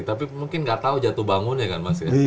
tapi mungkin gak tau jatuh bangun ya kan mas ya